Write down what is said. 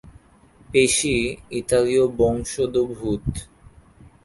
পেশি ইতালীয় বংশোদ্ভূত।